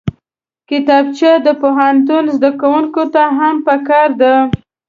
کتابچه د پوهنتون زدکوونکو ته هم پکار ده